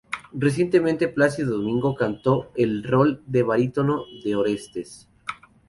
Recientemente Plácido Domingo cantó el rol de barítono de Orestes.